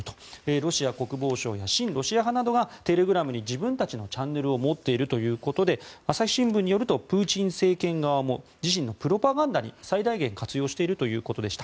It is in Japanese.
ロシア国防省や親ロシア派などがテレグラムに自分たちのチャンネルを持っているということで朝日新聞によるとプーチン政権側も自身のプロパガンダに最大限活用しているということでした。